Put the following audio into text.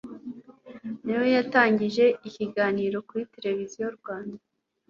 nayo yatangije ikiganiro kuri Televiziyo Rwanda